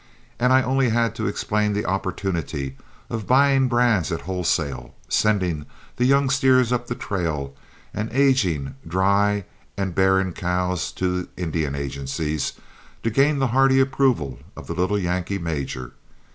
and I only had to explain the opportunity of buying brands at wholesale, sending the young steers up the trail and the aging, dry, and barren cows to Indian agencies, to gain the hearty approval of the little Yankee major.